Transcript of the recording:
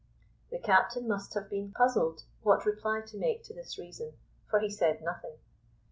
The captain must have been puzzled what reply to make to this reason, for he said nothing.